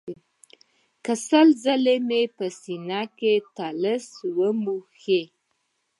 که سل ځله مې پر سینه اطلس ومیښ.